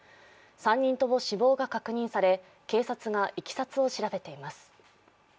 ３人とも死亡が確認され警察がいきさつを調べています。